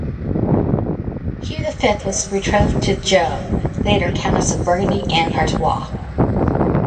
Hugh the Fifth was betrothed to Joan, later Countess of Burgundy and Artois.